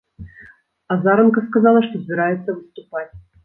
Азаранка сказала, што збіраецца выступаць.